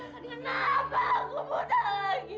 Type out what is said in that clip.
ibu kenapa aku buta lagi